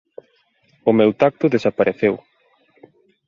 O meu tacto desapareceu.